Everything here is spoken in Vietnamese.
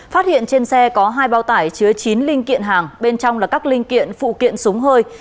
phát hiện trên xe có hai bao tải chứa chín linh kiện hàng bên trong là các linh kiện phụ kiện súng hơi